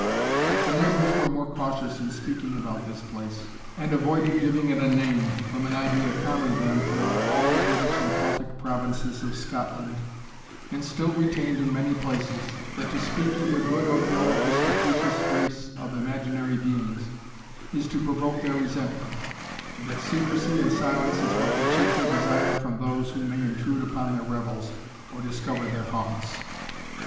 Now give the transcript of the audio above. But the neighbours were more cautious in speaking about this place, and avoided giving it a name, from an idea common then throughout all the British and Celtic provinces of Scotland, and still retained in many places, that to speak either good or ill of this capricious race of imaginary beings, is to provoke their resentment, and that secrecy and silence is what they chiefly desire from those who may intrude upon their revels, or discover their haunts.